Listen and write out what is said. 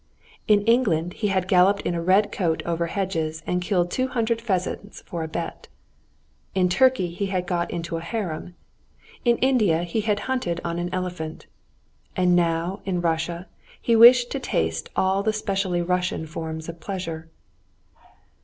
In England he had galloped in a red coat over hedges and killed two hundred pheasants for a bet. In Turkey he had got into a harem; in India he had hunted on an elephant, and now in Russia he wished to taste all the specially Russian forms of pleasure.